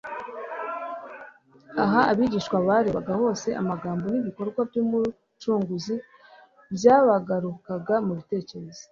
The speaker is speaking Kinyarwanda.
Aho abigishwa barebaga hose amagambo n'ibikorwa by'Umucunguzi byabagarukaga mu bitekerezo.